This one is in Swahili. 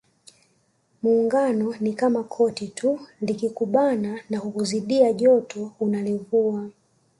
Muungano ni kama koti tu likikubana au kukuzidishia joto unalivua